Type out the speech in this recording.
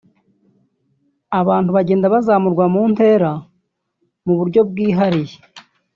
abantu bagenda bazamurwa mu ntera mu buryo bwihariye